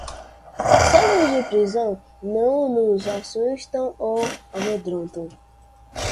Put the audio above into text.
Celas de prisão não nos assustam ou amedrontam